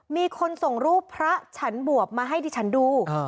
มีคนส่งรูปพระฉันบวบมาให้ดิฉันดู